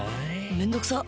めんどくさっ！